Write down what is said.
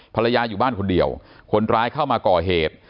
อยู่บ้านคนเดียวคนร้ายเข้ามาก่อเหตุ